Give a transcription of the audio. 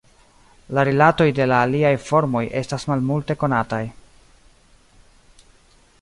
La rilatoj de la aliaj formoj estas malmulte konataj.